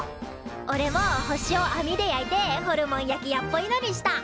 おれも星をあみで焼いてホルモン焼き屋っぽいのにした。